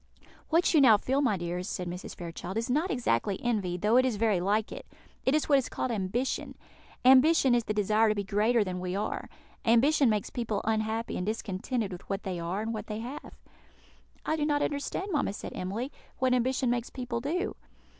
"What you now feel, my dears," said Mrs. Fairchild, "is not exactly envy, though it is very like it; it is what is called ambition. Ambition is the desire to be greater than we are. Ambition makes people unhappy and discontented with what they are and what they have." "I do not exactly understand, mamma," said Emily, "what ambition makes people do."